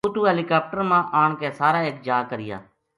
اُتو ہیلی کاپٹر ما آن کے سارا ایک جا کریا